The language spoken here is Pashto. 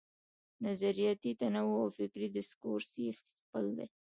نظریاتي تنوع او فکري ډسکورس یې خپل وي.